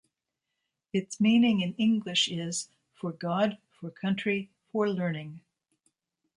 Its meaning in English is "For God, For Country, For Learning".